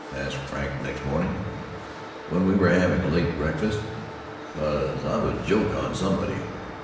asked Frank next morning, when we were having a late breakfast. "Cause I've a joke on somebody.